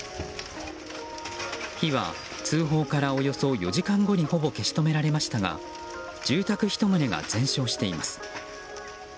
火は通報からおよそ４時間後にほぼ消し止められましたが住宅１棟が全焼しています。